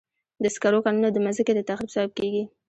د سکرو کانونه د مځکې د تخریب سبب کېږي.